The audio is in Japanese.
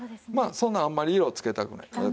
まあそんなあんまり色をつけたくない。